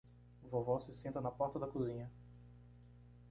Vovó se senta na porta da cozinha